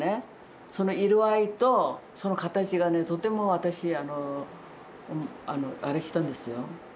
その色合いとその形がねとても私あのあれしたんですよ。